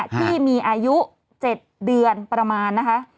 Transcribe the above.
ที่มีอายุ๗เดือนประมาณนะคะ